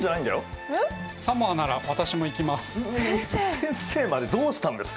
先生までどうしたんですか！